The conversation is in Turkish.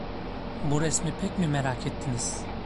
Bu resmi pek mi merak ettiniz?